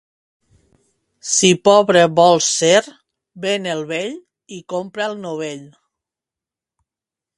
Si pobre vols ser, ven el vell i compra el novell.